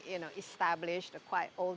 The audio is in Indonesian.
ini adalah brand yang sangat terbina